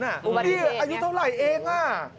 อุบัติเทศนะนี่อายุเท่าไหร่เองน่ะ